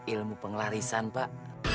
ilmu penglarisan pak